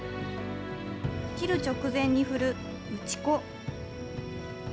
切る直前に振る、打ち粉。